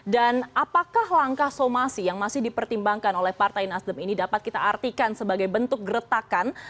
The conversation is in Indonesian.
dan apakah langkah somasi yang masih dipertimbangkan oleh partai nasdem ini dapat kita artikan sebagai bentuk geretakan